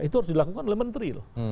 itu harus dilakukan oleh menteri loh